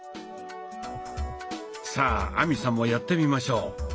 さあ亜美さんもやってみましょう。